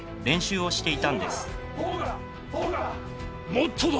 もっとだ！